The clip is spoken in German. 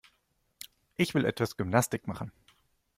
Ich will etwas Gymnastik machen.